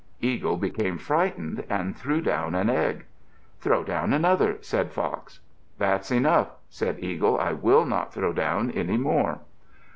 Eagle became frightened and threw down an egg. "Throw down another," said Fox. "That's enough," said Eagle. "I will not throw down any more."